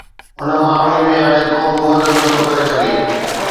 هن معاملي ۾ هاڻي ڪو به مدد نه ٿو ڪري سگهي